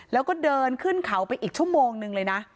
แล้วก็เดินขึ้นเขาไปอีกชั่วโมงนึงเลยนะ